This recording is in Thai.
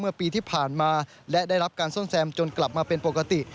เมื่อปีที่ผ่านมาและได้รับการซ่อมแซมจนกลับมาเป็นปกติ